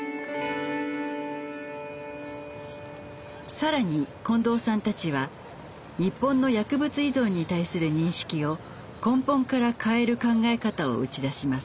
更に近藤さんたちは日本の薬物依存に対する認識を根本から変える考え方を打ち出します。